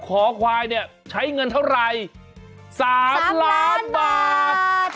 หอควายใช้เงินเท่าไร๓ล้านบาท